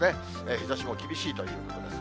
日ざしも厳しいということです。